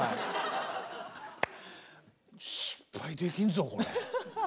失敗できんぞこれ。